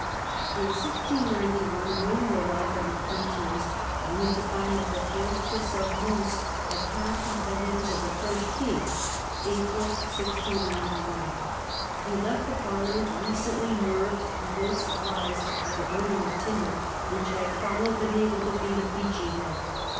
In 1 69 1 William arrived on the frontiers only to find that the fortress of Mons had passed into the hands of Campaign of the French king (April, 1 69 1). He left a parlia '^' ment recently nerved to vote supplies by the burning of Teignmouth, which had followed the naval defeat of Beachy Head.